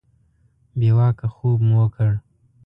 بې واکه خوب مو وکړ.